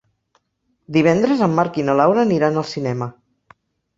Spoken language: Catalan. Divendres en Marc i na Laura aniran al cinema.